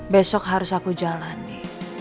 besok harus aku jalani